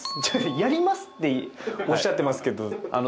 やりますっておっしゃってますけど。